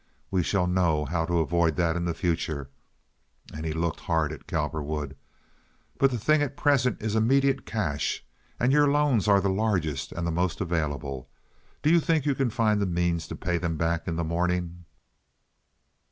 We shall know how to avoid that in the future" (and he looked hard at Cowperwood), "but the thing at present is immediate cash, and your loans are the largest and the most available. Do you think you can find the means to pay them back in the morning?"